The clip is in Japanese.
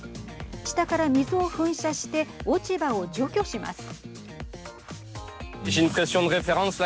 下から水を噴射して落ち葉を除去します。